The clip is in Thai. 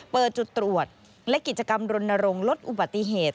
เปิดจุดตรวจและกิจกรรมรณรงค์ลดอุบัติเหตุ